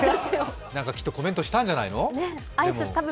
きっとコメントしたんじゃないの？